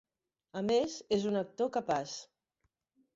A més és un actor capaç.